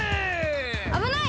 あぶない！